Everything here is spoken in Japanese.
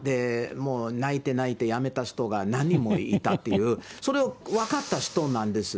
もう泣いて泣いて辞めた人が何人もいたっていう、それを分かった人なんです。